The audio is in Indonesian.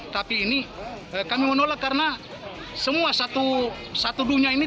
tapi ini kami menolak karena semua satu dunia ini